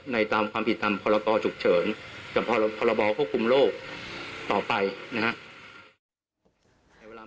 ตามความผิดตามพรกรฉุกเฉินกับพรบควบคุมโรคต่อไปนะครับ